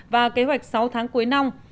và kế hoạch sáu tháng cuối năm